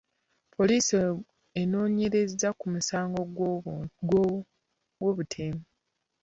Poliisi enoonyereza ku musango gw'obutemu.